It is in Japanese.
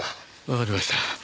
わかりました。